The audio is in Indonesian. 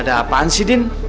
ada apaan sih din